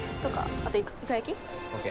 あといか焼き？ＯＫ。